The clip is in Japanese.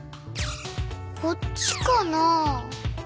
こっちかな？